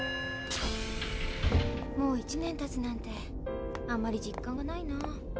もう１年たつなんてあんまり実感がないな。